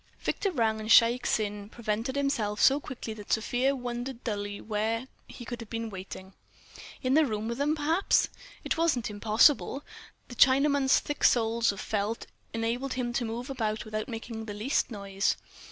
Victor rang, and Shaik Tsin presented himself so quickly that Sofia wondered dully where he could have been waiting. In the room with them, perhaps? It wasn't impossible. The Chinaman's thick soles of felt enabled him to move about without making the least noise.